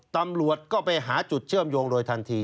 ตำรวจก็ไปหาจุดเชื่อมโยงโดยทันที